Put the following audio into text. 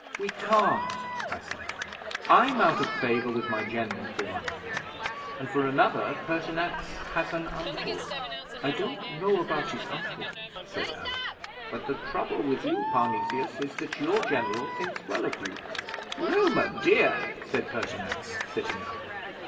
'"We can't," I said. "I'm out of favour with my General, for one thing; and for another, Pertinax has an uncle." '"I don't know about his uncle," said Allo, "but the trouble with you, Parnesius, is that your General thinks well of you." '"Roma Dea!" said Pertinax, sitting up.